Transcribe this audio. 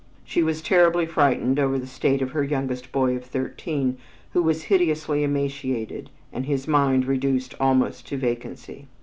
She was terribly frightened over the state of her youngest boy of thirteen, who was hideously emaciated and his mind reduced almost to vacancy.